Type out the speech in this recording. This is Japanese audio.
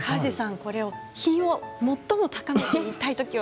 これを品を最も高めて言いたい時は？